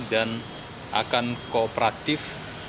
dan akan kooperatif